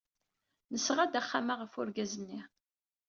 Nesɣa-d axxam-a ɣef urgaz-nni.